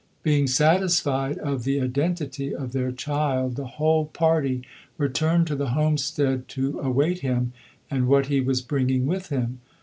Being satisfied of the identity of their child the whole party returned to the homestead to await him and what he was bringing with him.